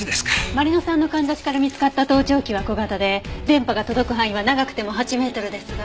まり乃さんの簪から見つかった盗聴器は小型で電波が届く範囲は長くても８メートルですが。